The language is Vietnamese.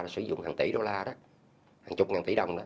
sử dụng hàng tỷ đô la hàng chục ngàn tỷ đồng